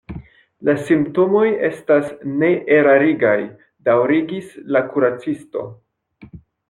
La simptomoj estas neerarigaj, daŭrigis la kuracisto.